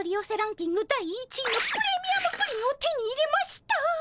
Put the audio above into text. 第１位のプレミアムプリンを手に入れました！